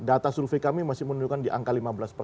data survei kami masih menunjukkan di angka lima belas persen